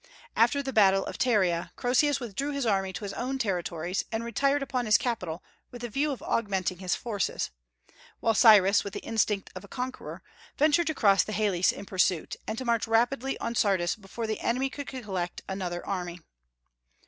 After the battle of Pteria, Croesus withdrew his army to his own territories and retired upon his capital, with a view of augmenting his forces; while Cyrus, with the instinct of a conqueror, ventured to cross the Halys in pursuit, and to march rapidly on Sardis before the enemy could collect another army.